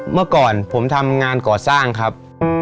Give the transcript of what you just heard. เมื่อก่อนผมทำงานก่อสร้างครับ